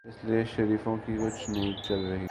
اسی لیے شریفوں کی کچھ نہیں چل رہی۔